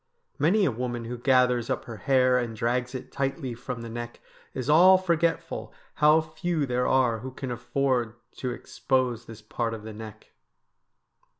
Many a woman who gathers up her hair and drags it tightly from the neck is all forgetful how few there are who can afford to expose this part of the neck.